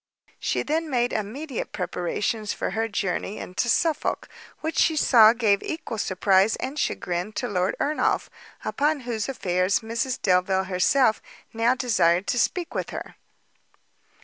She then made immediate preparations for her journey into Suffolk, which she saw gave equal surprize and chagrin to Lord Ernolf, upon whose affairs Mrs Delvile herself now desired to speak with her.